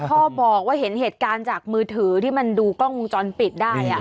พ่อบอกว่าเห็นเหตุการณ์จากมือถือที่มันดูกล้องวงจรปิดได้